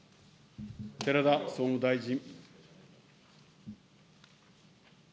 寺田総務大臣。